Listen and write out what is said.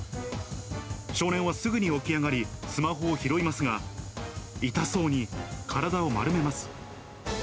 少年はすぐに起き上がり、スマホを拾いますが、痛そうに体を丸めます。